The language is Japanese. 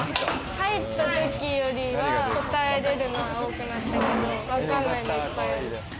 入ったときよりは答えれるのが多くなったけど、わかんないのいっぱい。